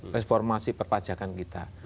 reformasi perpajakan kita